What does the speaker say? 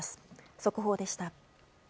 速報でした。